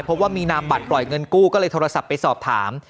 เพราะว่ามีนามบัตรปล่อยเงินกู้ก็เลยโทรศัพท์ไปสอบถาม